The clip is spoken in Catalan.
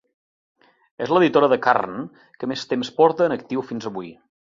És l'editora de "Carn" que més temps porta en actiu fins avui.